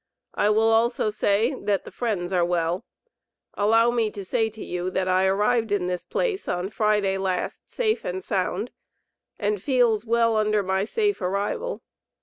I will also say that the friends are well. Allow me to say to you that I arrived in this place on Friday last safe and sound, and feeles well under my safe arrival.